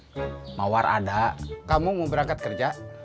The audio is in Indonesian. iya gak apa apa mawar ada kamu mau berangkat kerja